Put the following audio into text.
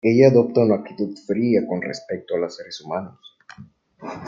Ella adopta una actitud fría con respecto a los seres humanos.